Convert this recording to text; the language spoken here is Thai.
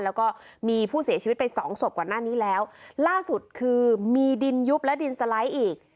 แล้วก็มีผู้เสียชีวิตไปสองศพก่อนหน้านี้แล้วล่าสุดคือมีดินยุบและดินสไลด์อีก